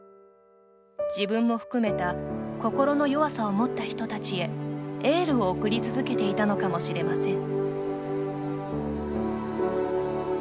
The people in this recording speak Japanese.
自分も含めた心の弱さを持った人たちへエールを送り続けていたのかもしれません。